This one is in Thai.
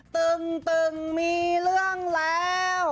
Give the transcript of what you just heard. ตึงมีเรื่องแล้ว